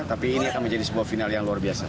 tapi ini akan menjadi sebuah final yang luar biasa